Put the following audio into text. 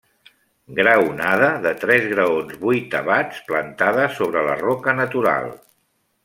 Graonada de tres graons vuitavats, plantada sobre la roca natural.